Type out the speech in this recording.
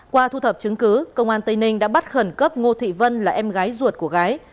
qua thu thập chứng cứ công an tây ninh đã bắt khẩn cấp ngô thị vân là em gái ruột của gái